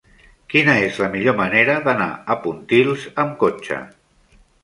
Quina és la millor manera d'anar a Pontils amb cotxe?